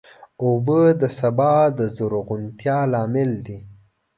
اوبه د سبا د زرغونتیا لامل دي.